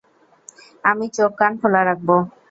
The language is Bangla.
আমি চোখ কান খোলা রাখব।